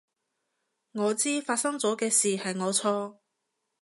我知發生咗嘅事係我錯